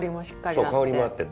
そう香りもあって。